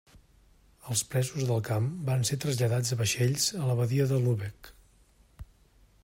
Els presos del camp van ser traslladats a vaixells a la badia de Lübeck.